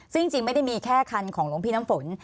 ซึ่งจริงไม่ได้มีแค่คันของหลวงพี่น้ำฝน